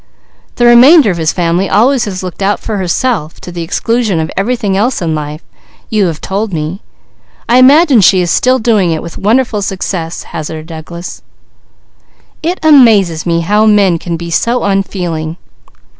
"The remainder of his family always has looked out for herself to the exclusion of everything else in life, you have told me; I imagine she is still doing it with wonderful success," hazarded Douglas. "It amazes me how men can be so unfeeling."